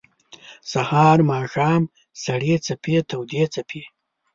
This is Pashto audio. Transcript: سهار ، ماښام سړې څپې تودي څپې